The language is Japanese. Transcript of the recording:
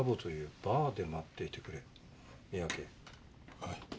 はい。